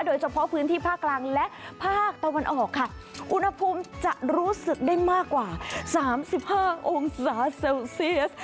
โดยเฉพาะพื้นที่ภาคกลางและภาคตะวันออกค่ะอุณหภูมิจะรู้สึกได้มากกว่า๓๕องศาเซลเซียส